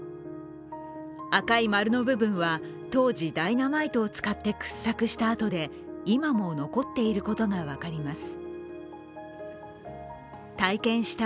赤い丸の部分は、当時ダイナマイトを使って掘削した跡で今も残っていることが分かります。